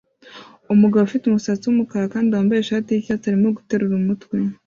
Umugabo ufite umusatsi wumukara kandi wambaye ishati yicyatsi arimo guterura umutwe